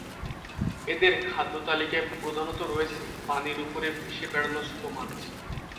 এদের খাদ্যতালিকায় প্রধানত রয়েছে পানির উপর ভেসে বেড়ানো ছোট মাছ।